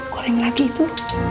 kering lagi itu